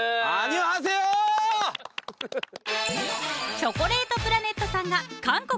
［チョコレートプラネットさんが］